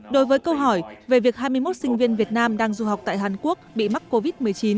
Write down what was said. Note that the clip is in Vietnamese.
đối với câu hỏi về việc hai mươi một sinh viên việt nam đang du học tại hàn quốc bị mắc covid một mươi chín